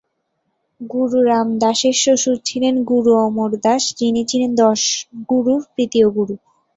গুরু রাম দাসের শ্বশুর ছিলেন গুরু অমর দাস, যিনি ছিলেন দশ গুরুর তৃতীয় গুরু।